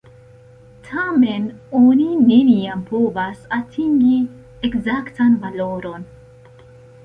Tamen, oni neniam povas atingi ekzaktan valoron.